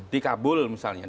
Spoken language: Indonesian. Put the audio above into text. di kabul misalnya